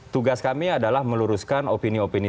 tugas kami adalah meluruskan opini opini